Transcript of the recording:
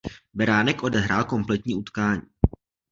Beránek odehrál kompletní utkání.